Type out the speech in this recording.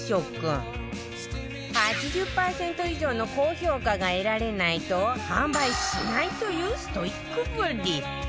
８０パーセント以上の高評価が得られないと販売しないというストイックぶり！